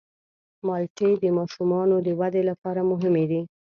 مالټې د ماشومانو د ودې لپاره مهمې دي.